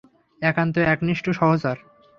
একান্ত একনিষ্ঠ সহচর।